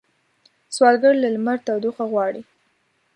سوالګر له لمر تودوخه غواړي